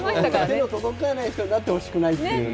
手の届かない人になってほしくないっていうね。